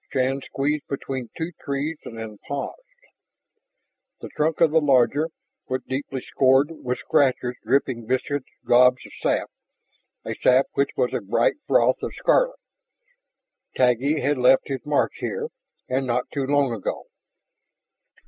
Shann squeezed between two trees and then paused. The trunk of the larger was deeply scored with scratches dripping viscid gobs of sap, a sap which was a bright froth of scarlet. Taggi had left his mark here, and not too long ago.